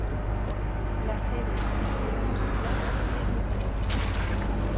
La sede y ciudad más poblada es Nicolet.